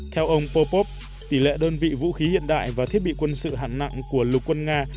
theo ông popop tỷ lệ đơn vị vũ khí hiện đại và thiết bị quân sự hạng nặng của lục quân nga